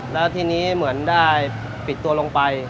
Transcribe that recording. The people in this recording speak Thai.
แล้วทีนี้เหมือนได้ปิดตัวลงไป